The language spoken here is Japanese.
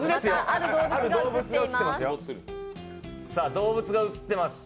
ある動物が映ってます。